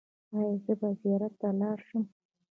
ایا زه به زیارت ته لاړ شم؟